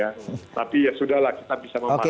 tapi ya sudah lah kita bisa memahaminya oke